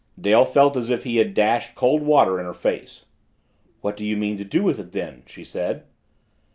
Dale felt as if he had dashed cold water in her face. "What do you mean to do with it then?" she said.